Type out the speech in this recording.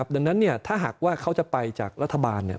ดังนั้นเนี่ยถ้าหากว่าเขาจะไปจากรัฐบาลเนี่ย